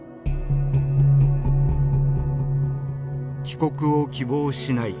「帰国を希望しない。